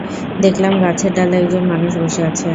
দেখলাম, গাছের ডালে একজন মানুষ বসে আছে।